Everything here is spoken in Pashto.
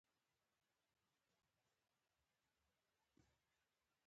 احمدشاه بابا د هیواد د اقتصادي پرمختګ لپاره هڅي کړي.